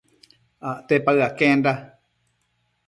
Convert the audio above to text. Acte paë aquenda